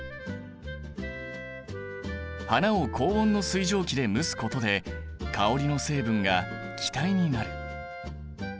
花を高温の水蒸気で蒸すことで香りの成分が気体になる。